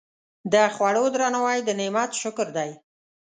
د خوړو درناوی د نعمت شکر دی.